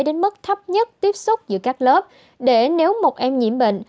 đến mức thấp nhất tiếp xúc giữa các lớp để nếu một em nhiễm bệnh